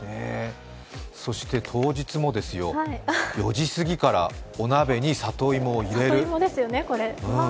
そして当日もですよ、４時過ぎからお鍋に里芋を入れる。